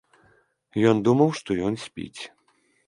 Ён думаў, што ён спіць.